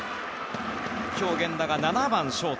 今日、源田が７番ショート。